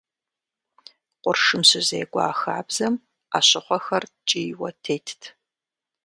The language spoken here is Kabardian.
Къуршым щызекӏуэ а хабзэм ӏэщыхъуэхэр ткӏийуэ тетт.